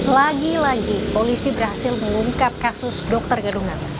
lagi lagi polisi berhasil mengungkap kasus dokter gadungan